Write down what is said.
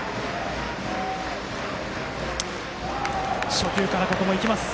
初球からここも行きます。